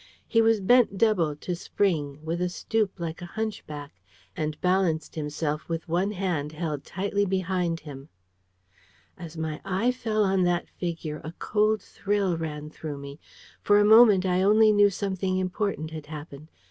He was bent double, to spring, with a stoop like a hunchback, and balanced himself with one hand held tightly behind him. As my eye fell on that figure, a cold thrill ran through me. For a moment I only knew something important had happened.